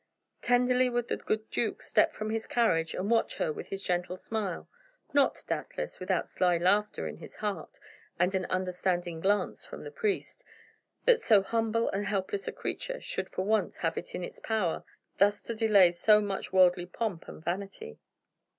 Tenderly would the good duke step from his carriage and watch her with his gentle smile not, doubtless, without sly laughter in his heart, and an understanding glance from the priest, that so humble and helpless a creature should for once have it in its power thus to delay so much worldly pomp and vanity.